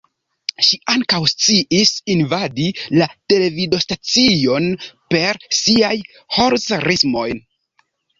Ŝi ankaŭ sciis invadi la televidostacion per siaj "'Holzerismoj"'.